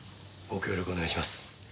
ご協力お願いします。